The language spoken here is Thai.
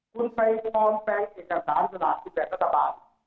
คุณไปความแปลงเอกสารสถานกฎาคม๑๘รัฐบาท